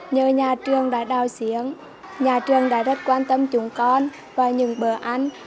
nhờ nhà trường đã đảo giếng nhà trường đã rất quan tâm chúng con và những bữa ăn